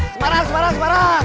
semarang semarang semarang